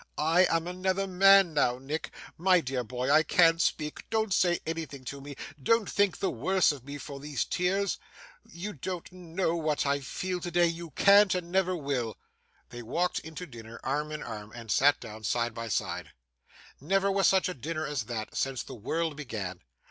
I am another man now, Nick. My dear boy, I can't speak. Don't say anything to me. Don't think the worse of me for these tears. You don't know what I feel today; you can't, and never will!' They walked in to dinner arm in arm, and sat down side by side. Never was such a dinner as that, since the world began.